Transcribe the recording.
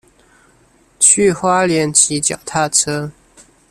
去花蓮騎腳踏車